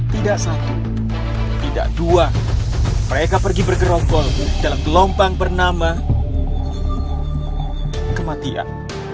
tidak satu tidak dua mereka pergi bergerombol dalam gelombang bernama kematian